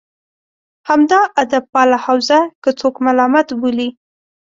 همدا ادبپاله حوزه که څوک ملامت بولي.